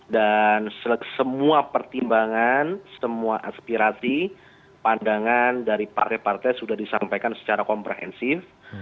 dan semua pertimbangan semua aspirasi pandangan dari partai partai sudah disampaikan secara komprehensif